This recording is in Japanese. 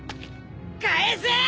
返せ。